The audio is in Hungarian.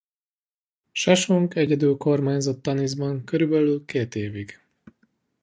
Sesonk egyedül kormányzott Taniszban körülbelül két évig.